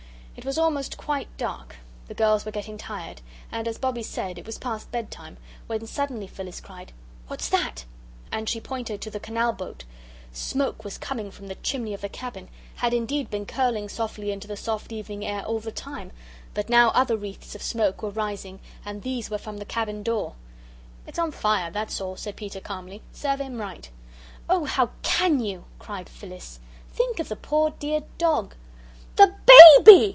It was almost quite dark, the girls were getting tired, and as Bobbie said, it was past bedtime, when suddenly Phyllis cried, "What's that?" And she pointed to the canal boat. Smoke was coming from the chimney of the cabin, had indeed been curling softly into the soft evening air all the time but now other wreaths of smoke were rising, and these were from the cabin door. "It's on fire that's all," said Peter, calmly. "Serve him right." "Oh how CAN you?" cried Phyllis. "Think of the poor dear dog." "The BABY!"